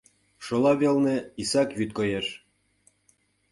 Шола велне исак вӱд коеш.